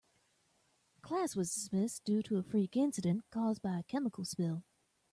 Class was dismissed due to a freak incident caused by a chemical spill.